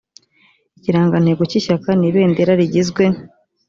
ikirangantego cy ishyaka ni ibendera rigizwe